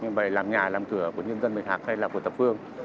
thứ hai là việc làm nhà làm cửa của nhân dân bạch hạc hay là của tập phương